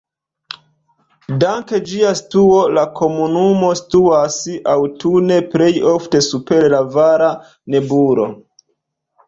Dank ĝia situo la komunumo situas aŭtune plej ofte super la vala nebulo.